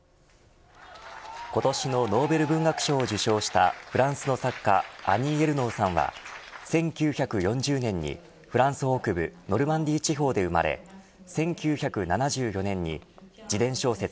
今年のノーベル文学賞を受賞したフランスの作家アニー・エルノーさんは１９４０年にフランス北部ノルマンディー地方で生まれ１９７４年に自伝小説